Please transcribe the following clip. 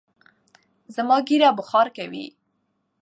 زما ژېره بوخار کوی